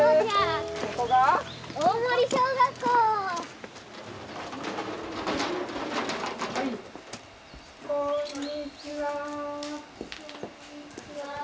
こんにちは。